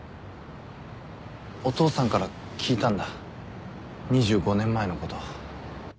お父さんから聞いたんだ２５年前のこと。